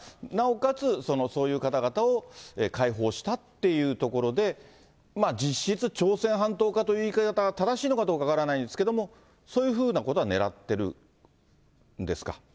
なおかつそういう方々を解放したっていうところで、実質、朝鮮半島化という言い方が正しいのかどうか分からないんですけれども、そういうふうなことはねらってるんですか？